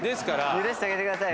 許してあげてくださいよ。